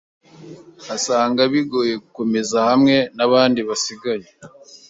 Asanga bigoye gukomeza hamwe nabandi basigaye.